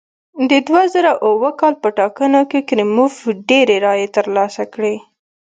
د دوه زره اووه کال په ټاکنو کې کریموف ډېرې رایې ترلاسه کړې.